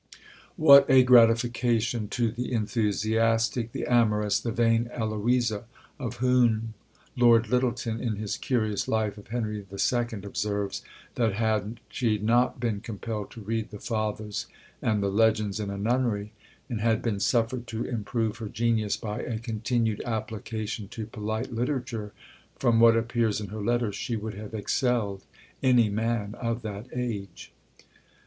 What a gratification to the enthusiastic, the amorous, the vain Eloisa! of whom Lord Lyttleton, in his curious Life of Henry II., observes, that had she not been compelled to read the fathers and the legends in a nunnery, and had been suffered to improve her genius by a continued application to polite literature, from what appears in her letters, she would have excelled any man of that age.